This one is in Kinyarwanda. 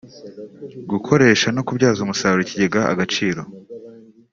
gukoresha no kubyaza umusaruro ikigega Agaciro